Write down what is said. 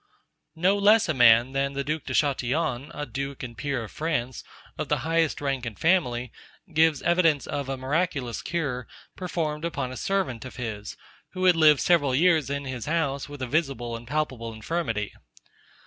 No less a man, than the Due de Chatillon, a duke and peer of France, of the highest rank and family, gives evidence of a miraculous cure, performed upon a servant of his, who had lived several years in his house with a visible and palpable infirmity.